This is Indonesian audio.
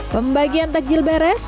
pembagian takjil beres